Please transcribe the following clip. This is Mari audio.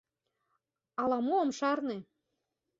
Ала-мо ом шарне.